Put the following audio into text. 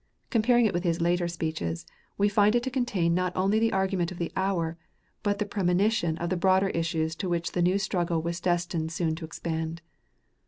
Comparing it with his later speeches, we find it to contain not only the argument of the hour, but the premonition of the broader issues into which the new struggle was destined soon to expand.